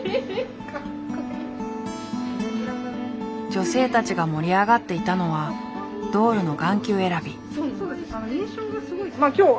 女性たちが盛り上がっていたのはドールの眼球選び。